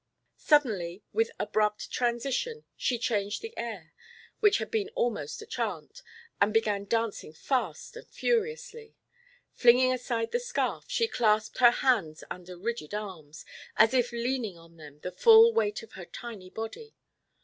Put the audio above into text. Suddenly, with abrupt transition, she changed the air, which had been almost a chant, and began dancing fast and furiously. Flinging aside the scarf, she clasped her hands under rigid arms, as if leaning on them the full weight of her tiny body.